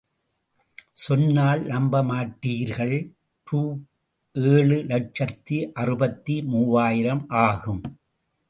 சொன்னால் நம்பமாட்டீர்கள் ரூ.ஏழு லட்சத்தி அறுபத்து மூவாயிரம் ஆகும்.